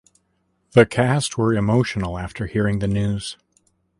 The cast were emotional after hearing the news.